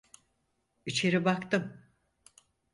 İçeri baktım.